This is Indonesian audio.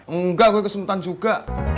enggak gue kesemutan juga